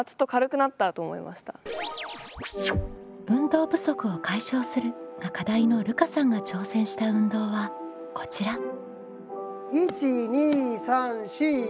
「運動不足を解消する」が課題のるかさんが挑戦した運動はこちら。